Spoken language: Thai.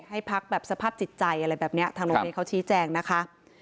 ให้พักแบบสภาพจิตใจอะไรแบบนี้ทางโรงเรียนเขาชี้แจงนะคะ